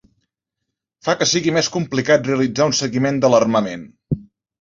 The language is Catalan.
Fa que sigui més complicat realitzar un seguiment de l'armament.